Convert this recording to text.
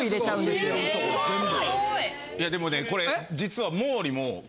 すごい！いやでもねこれ実は。